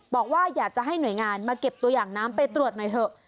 บอกว่าอยากจะให้หน่วยงานมาเก็บตัวอย่างน้ำไปตรวจหน่อยเถอะ